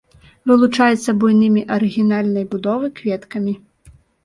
Вылучаецца буйнымі арыгінальнай будовы кветкамі.